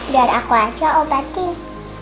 biar aku aja obatin